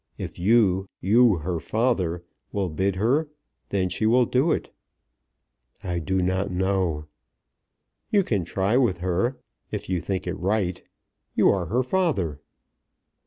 If you, you her father, will bid her, then she will do it." "I do not know." "You can try with her; if you think it right. You are her father."